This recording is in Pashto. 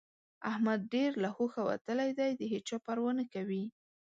احمد ډېر له هوښه وتلی دی؛ د هيچا پروا نه کوي.